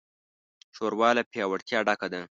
ښوروا له پیاوړتیا ډکه ده.